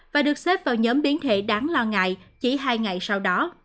và được xếp vào nhóm biến thể đáng lo ngại chỉ hai ngày sau đó